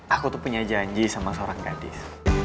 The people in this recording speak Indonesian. aku tuh punya janji sama seorang gadis